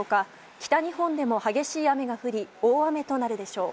北日本でも激しい雨が降り大雨となるでしょう。